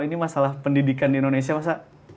ini masalah pendidikan di indonesia masa